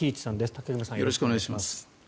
武隈さんよろしくお願いします。